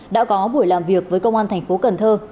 đã có buổi làm việc với công an tp cần thơ